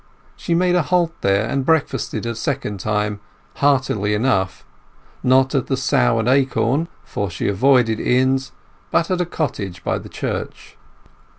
She made a halt here, and breakfasted a second time, heartily enough—not at the Sow and Acorn, for she avoided inns, but at a cottage by the church.